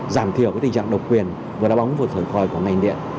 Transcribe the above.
giảm thiểu tình trạng độc quyền vừa đá bóng vừa thở khỏi của ngành điện